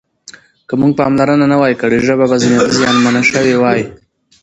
که موږ پاملرنه نه وای کړې ژبه به زیانمنه شوې وای.